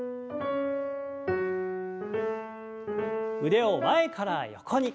腕を前から横に。